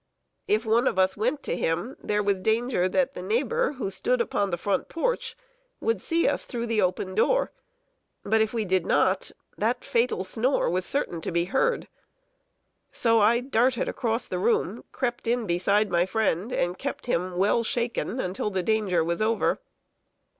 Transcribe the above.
If one of us went to him, there was danger that the neighbor, who stood upon the front porch, would see us through the open door; but if we did not, that fatal snore was certain to be heard. So I darted across the room, crept in beside my friend, and kept him well shaken until the danger was over.